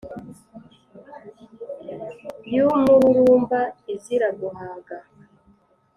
Y'umururumba izira guhaga